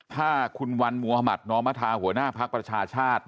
ถ้าคุณวันมหมาตย์น้องมธาหัวหน้าภักรประชาชาติ